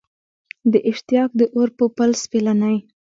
د اشتیاق د اور په پل سپېلني